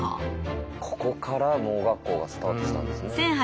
ここから盲学校がスタートしたんですね。